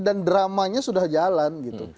dan dramanya sudah jalan